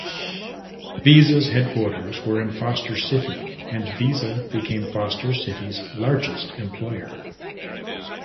Visa's headquarters were in Foster City, and Visa became Foster City's largest employer.